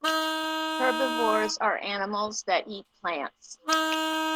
Herbivores are animals that eat plants.